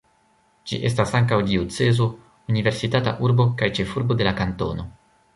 Ĝi estas ankaŭ diocezo, universitata urbo kaj ĉefurbo de la kantono.